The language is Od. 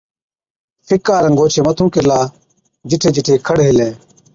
ڦِڪا رنگ اوڇي مٿُون ڪِرلا، جِٺي جِٺي کڙ هِلَي،